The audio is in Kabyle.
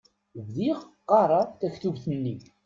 Bdiɣ qqaṛeɣ taktubt-nni.